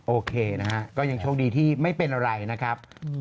โอเคนะฮะก็ยังโชคดีที่ไม่เป็นอะไรนะครับ